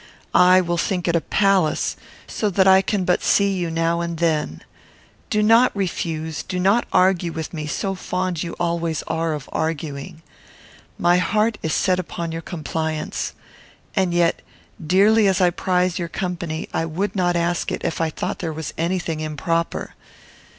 I will think it a palace, so that I can but see you now and then. Do not refuse do not argue with me, so fond you always are of arguing! My heart is set upon your compliance. And yet, dearly as I prize your company, I would not ask it, if I thought there was any thing improper.